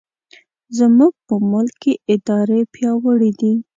زموږ په ملک کې ادارې پیاوړې دي.